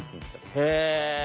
へえ。